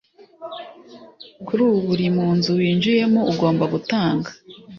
Kuri buri nzu winjiyemo ugomba gutanga